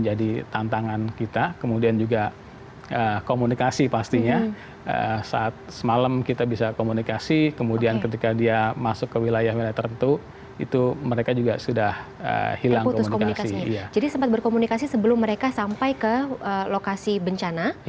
jadi sempat berkomunikasi sebelum mereka sampai ke lokasi bencana